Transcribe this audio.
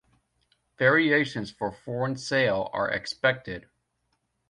Variations for foreign sale are expected.